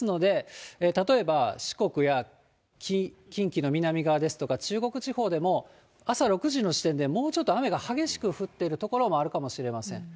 ですので、例えば四国や近畿の南側ですとか、中国地方でも朝６時の時点で、もうちょっと雨が激しく降っている所もあるかもしれません。